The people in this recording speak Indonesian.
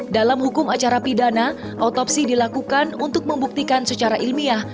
dalam hukum acara pidana autopsi dilakukan untuk membuktikan secara ilmiah